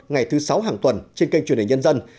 ngày thứ sáu hàng tuần trên kênh truyền hình nhân dân